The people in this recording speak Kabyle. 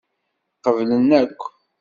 Qeblen akk.